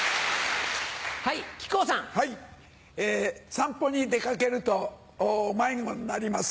散歩に出掛けると迷子になります。